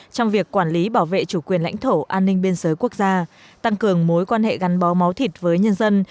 trong việc quản lý bảo vệ chủ quyền lãnh thổ an ninh biên giới quốc gia tăng cường mối quan hệ gắn bó máu thịt với nhân dân